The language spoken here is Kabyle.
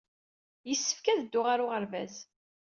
Yessefk ad dduɣ ɣer uɣerbaz.